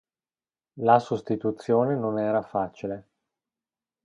La sostituzione non era facile.